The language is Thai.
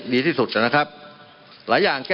มันมีมาต่อเนื่องมีเหตุการณ์ที่ไม่เคยเกิดขึ้น